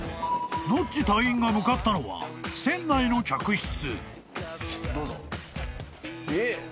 ［ノッチ隊員が向かったのは船内の客室］